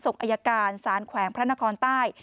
อายการสารแขวงพระนครใต้